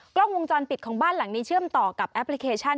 กล้องวงจรปิดของบ้านหลังนี้เชื่อมต่อกับแอปพลิเคชัน